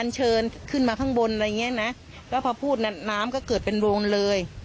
อันเชิญขึ้นมาข้างบนอะไรเงี้ยนะและพอพูดนะน้ำก็เกิดเป็นโรงเลย